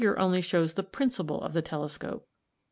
18 only shows the principle of the telescope.